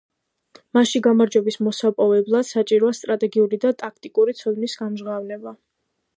მასში გამარჯვების მოსაპოვებლად საჭიროა სტრატეგიული და ტაქტიკური ცოდნის გამჟღავნება.